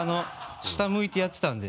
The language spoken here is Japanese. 下向いてやってたんで。